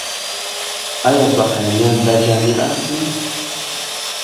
آیا بهرنیان دا جامې اخلي؟